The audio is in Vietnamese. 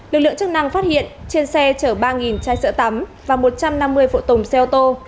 lực lượng chức năng phát hiện trên xe chở ba chai sữa tắm và một trăm năm mươi phụ tùng xe ô tô